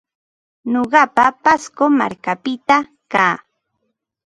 Nuqaqa Pasco markapita kaa.